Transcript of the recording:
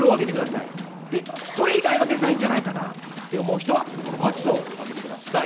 それ以外のデザインじゃないかなって思う人は×を上げてください。